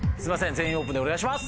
「全員オープン」でお願いします。